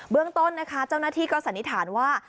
เรื่องต้นนะคะเจ้าหน้าที่ก็สันนิษฐานว่า